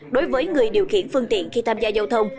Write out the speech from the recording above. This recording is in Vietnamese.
đối với người điều khiển phương tiện khi tham gia giao thông